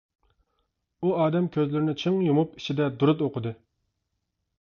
ئۇ ئادەم كۆزلىرىنى چىڭ يۇمۇپ، ئىچىدە دۇرۇت ئوقۇدى.